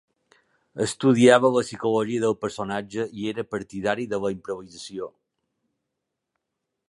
Estudiava la psicologia del personatge i era partidari de la improvisació.